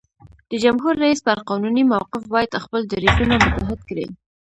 د جمهور رئیس پر قانوني موقف باید خپل دریځونه متحد کړي.